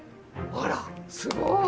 あらすごーい！